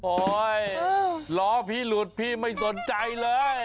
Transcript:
ล้อพี่หลุดพี่ไม่สนใจเลย